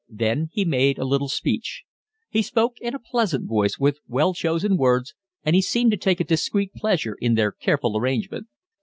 Then he made a little speech. He spoke in a pleasant voice, with well chosen words, and he seemed to take a discreet pleasure in their careful arrangement.